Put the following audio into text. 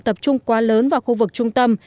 tập trung quá lớn vào khu vực trung tâm